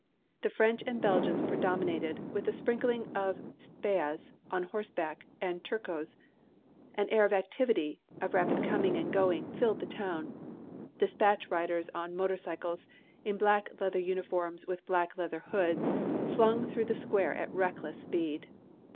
The French and Belgians predominated, with a sprinkling of Spahis on horseback and Turcos. An air of activity, of rapid coming and going, filled the town. Despatch riders on motor cycles, in black leather uniforms with black leather hoods, flung through the square at reckless speed.